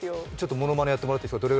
ものまねやってもらっていいですか？